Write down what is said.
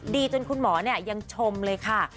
ดีจนคุณหมอยังชมเลยค่ะ